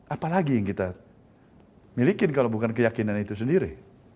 apalagi yang kita milikin kalau bukan keyakinan itu sendiri